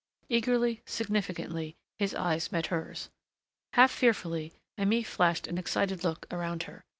Eagerly, significantly, his eyes met hers. Half fearfully, Aimée flashed an excited look around her.